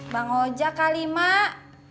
bang hoja kali mak